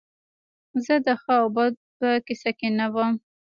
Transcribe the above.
زه د ښه او بد په کیسه کې نه وم